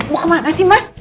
mau kemana sih mas